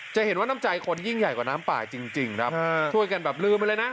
จะเห็นว่าน้ำใจคนยิ่งใหญ่กว่าน้ำป่าจริงครับช่วยกันแบบลืมไปเลยนะ